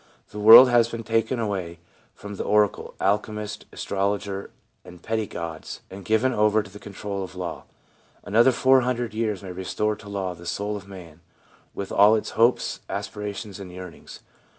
The world has been taken away from the oracle, alchemist, astrologer and petty gods, and given over to the control of law. Another four hundred years may restore to law the soul of man, with all its hopes, aspirations and yearnings.